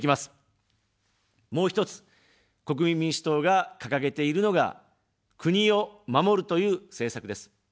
もう１つ、国民民主党が掲げているのが、国を守るという政策です。